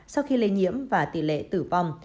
sau khi lây nhiễm và tỷ lệ tử vong